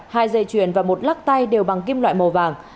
hai dây chuyền và một lắc tay đều bằng kim loại màu vàng